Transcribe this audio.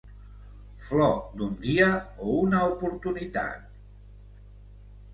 Flor d'un dia o una oportunitat?